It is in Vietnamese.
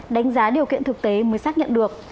đánh giá điều kiện thực tế mới xác nhận được